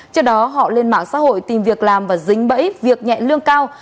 trước đó họ lên mạng xã hội tìm việc làm và dính bẫy việc nhẹ lương cao